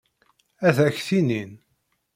Ad ak-t-inin.